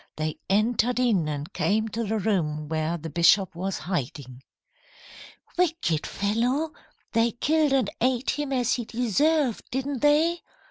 They entered in and came to the room where the bishop was hiding." "Wicked fellow! They killed and ate him as he deserved, didn't they?"